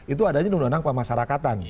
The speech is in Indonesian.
itu adanya di menandang kemasyarakatan